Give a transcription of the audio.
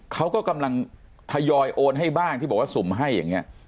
เขาก็กำลังทยอยโอนให้บ้างที่บอกว่าสุ่มให้อย่างนี้